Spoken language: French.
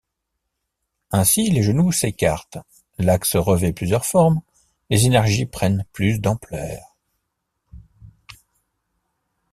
Ainsi, les genoux s'écartent, l'axe revêt plusieurs formes, les énergies prennent plus d'ampleur.